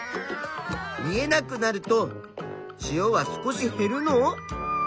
見えなくなると塩は少しへるの？